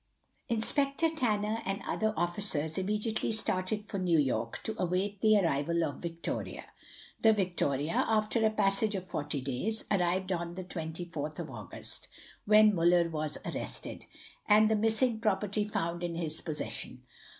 Inspector Tanner and other officers immediately started for New York, to await the arrival of Victoria. The Victoria, after a passage of forty days, arrived on the 24th of August, when Muller was arrested, and the missing property found in his possession.